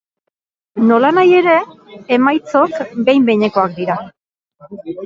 Nolanahi ere, emaitzok behin behinekoak dira.